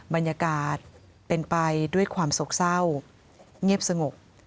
บรรยากาศเป็นไปด้วยความโศกเศร้าเงียบสงบ